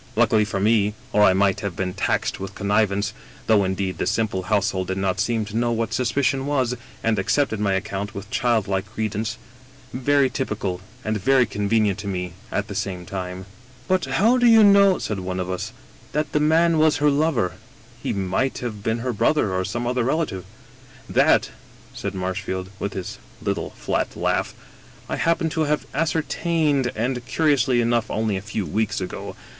Luckily for me— or I might have been taxed with connivance, though indeed the simple household did not seem to know what suspicion was, and accepted my account with childlike credence — very t)rpical, and very convenient to me at the same time." " But how do you know," said one of us, " that the man was her lover? He might have been her brother or some other relative." "That," said Marshfield, with his little flat laugh, "I happen to have ascertained — ^and, curiously enough, only a few weeks ago.